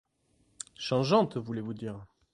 Changeante, voulez-vous dire ?